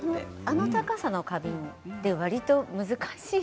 あの高さの花瓶はわりと難しい。